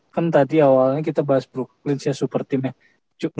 kan tadi awalnya kita bahas brooklyn super team nya